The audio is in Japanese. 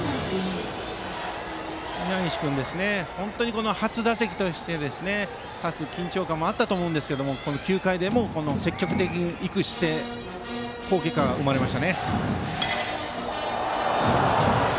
宮西君、初打席として立つ緊張感もあったと思うんですけど９回でも積極的に行く姿勢で好結果が生まれましたね。